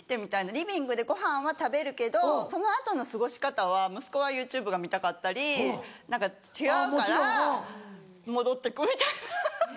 リビングでご飯は食べるけどその後の過ごし方は息子はＹｏｕＴｕｂｅが見たかったり何か違うから戻ってくみたいなアハハハハ。